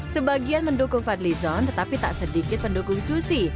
sebagian mendukung fadlizon tetapi tak sedikit pendukung susi